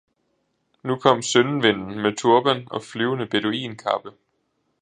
Nu kom Søndenvinden med turban og flyvende beduinkappe.